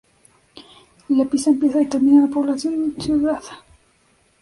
La pista empieza y termina en la poblada ciudad.